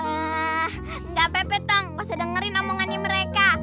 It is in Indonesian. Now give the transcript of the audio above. eeeh gak pepe tong gak usah dengerin omongannya mereka